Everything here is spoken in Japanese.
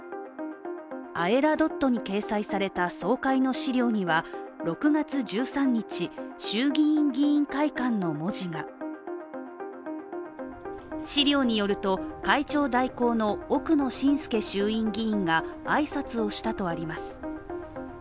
ＡＥＲＡｄｏｔ．に掲載された総会の資料には「６月１３日衆議院議員会館」の文字が資料によると会長代行の奥野信亮衆院議員が挨拶をしたとあります。